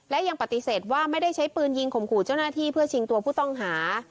และยังปฏิเสธว่าไม่ได้ใช้ปืนยิงข่มขู่เจ้าหน้าที่เพื่อชิงตัวผู้ต้องหา